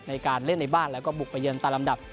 ในการเล่นในบ้านแล้วก็บุกไปเยินตามลำดับ